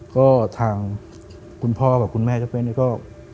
ก็ทางคุณพ่อกับคุณแม่เจ้าเป้นี่ก็